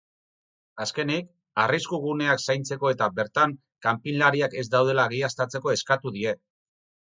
Azkenik, arrisku guneak zaintzeko eta bertan kanpinlariak ez daudela egiaztatzeko eskatu die.